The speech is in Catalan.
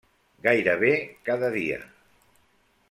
Gairebé cada dia.